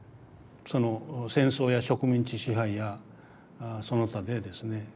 その戦争や植民地支配やその他でですね